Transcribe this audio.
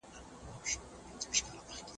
لښتې په نغري کې اور بل وساته.